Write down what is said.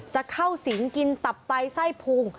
จะเข้าสิงกินตับไตไส้พุง